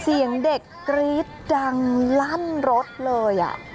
เสียงเด็กกรี๊ดดังลั่นรถเลย